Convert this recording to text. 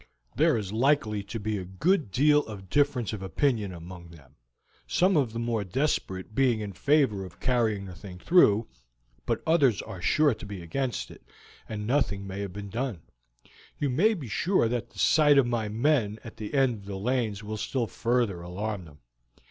There is likely to be a good deal of difference of opinion among them, some of the more desperate being in favor of carrying the thing through, but others are sure to be against it, and nothing may have been done. You may be sure that the sight of my men at the end of the lanes will still further alarm them.